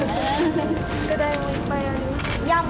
宿題もいっぱいありましたか？